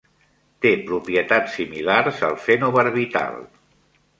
Té propietats similars al fenobarbital.